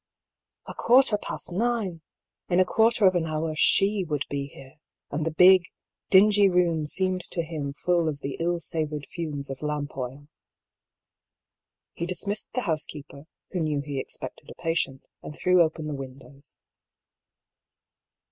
A quarter past nine ! In a quarter of an hour she MIZPAH. 269 would be here — and the big, dingy room seemed to him full of the ill savoured fumes of lamp oil. He dismissed the housekeeper, who knew he expected a patient, and threw open the windows.